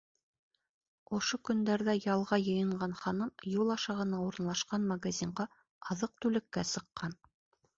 Ошо көндәрҙә ялға йыйынған ханым юл аша ғына урынлашҡан магазинға аҙыҡ-түлеккә сыҡҡан.